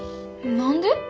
何で？